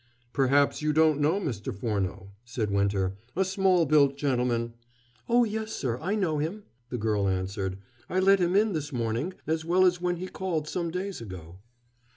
"Perhaps you don't know Mr. Furneaux," said Winter, "a small built gentleman " "Oh, yes, sir, I know him," the girl answered. "I let him in this morning, as well as when he called some days ago."